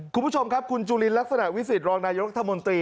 คุณผู้ชมครับคุณจุลินลักษณะวิสิตรองนายกรัฐมนตรี